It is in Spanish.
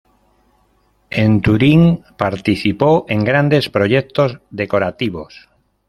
En Turín participó en grandes proyectos decorativos.